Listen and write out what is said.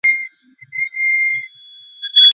আর ছেলেমানুষি প্রশ্ন নয়।